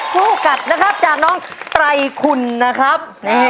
กัดนะครับจากน้องไตรคุณนะครับ